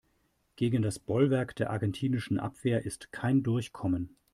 Gegen das Bollwerk der argentinischen Abwehr ist kein Durchkommen.